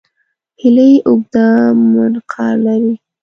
هیلۍ اوږده منقار لري